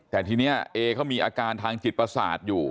แต่ทีนี้เอเขามีอาการทางจิตประสาทอยู่